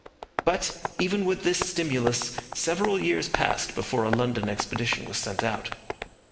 But, even with this stimulus, several years passed before a London expedition was sent out.